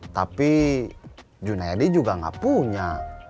tapi junaidi juga nggak punya